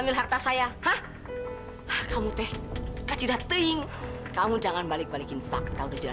kalian bawa perempuan jahat itu keluar